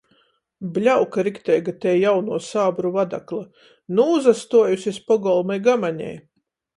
Bļauka rikteiga tei jaunuo sābru vadakla. Nūsastuojuse iz pogolma i gamanej!